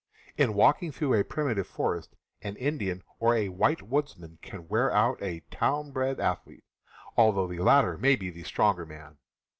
TN walking through a primitive forest, an Indian or *• a white woodsman can wear out a town bred athlete, although the latter may be the stronger man.